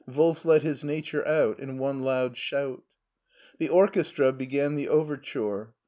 Wolf let his nature out in one loud shout. The orchestra began the overture.